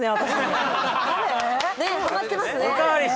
ねえハマってますね